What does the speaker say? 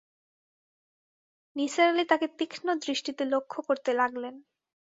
নিসার আলি তাকে তীক্ষ্ণ দৃষ্টিতে লক্ষ্য করতে লাগলেন।